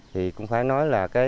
thì cũng phải nói là